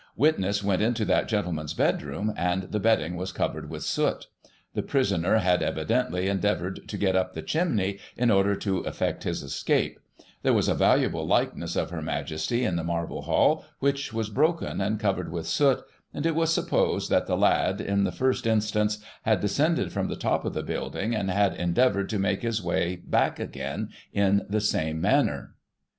Witness went into that gentleman's bedroom, and the bedding was covered with soot The prisoner had, evidently, endeavotured to get up the chimney, in order to effect his escape; there was a valuable likeness of Her Majesty, in the Marble hall, which was broken, and covered with soot; and it was supposed that the lad, in the first instance, had descended from the top of the building, and had endeavoured to make his way back again in the same manner.